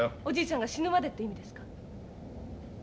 「おじいちゃんが死ぬまで」っていう意味ですか？